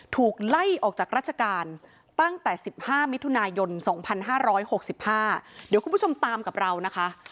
ถูกไล่ออกจากราชการตั้งแต่๑๕มิถุนายน๒๕๖๕เดี๋ยวคุณผู้ชมตามกับเรานะคะ